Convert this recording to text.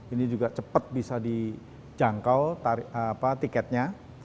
ini juga cepat bisa dijangkau tiketnya